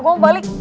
gue mau balik